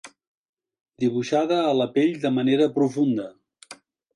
Dibuixada a la pell de manera profunda.